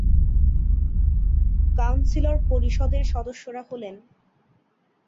councillor পরিষদের সদস্যরা হলেন-